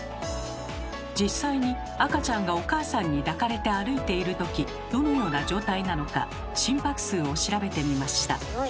実際に赤ちゃんがお母さんに抱かれて歩いている時どのような状態なのか心拍数を調べてみました。